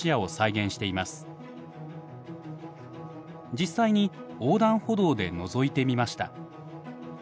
実際に横断歩道でのぞいてみました。